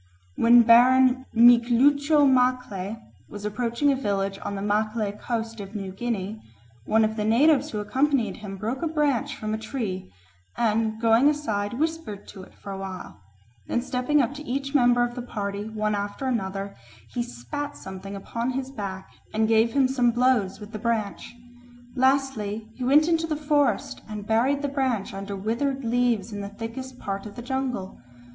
When Baron Miklucho Maclay was approaching a village on the Maclay Coast of New Guinea, one of the natives who accompanied him broke a branch from a tree and going aside whispered to it for a while; then stepping up to each member of the party, one after another, he spat something upon his back and gave him some blows with the branch. Lastly, he went into the forest and buried the branch under withered leaves in the thickest part of the jungle.